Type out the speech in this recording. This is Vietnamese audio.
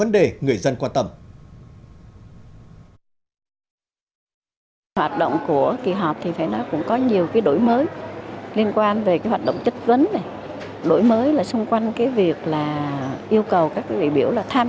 để người dân quan tâm